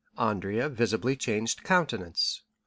Andrea visibly changed countenance.